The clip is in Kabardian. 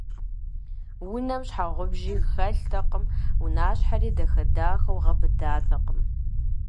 Унэм щхьэгъубжи хэлътэкъым, унащхьэри дахэ-дахэу гъэбыдатэкъым.